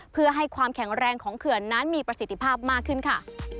เพื่อให้ความแข็งแรงของเขื่อนนั้นมีประสิทธิภาพมากขึ้นค่ะ